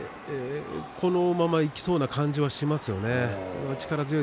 このままいきそうな感じがしますよね。